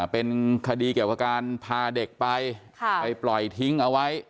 เป็นคดีเกี่ยวกับการพาเด็กไปไปปล่อยทิ้งเอาไว้